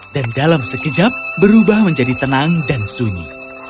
dan dalam sekejap berubah menjadi tenang dan sunyi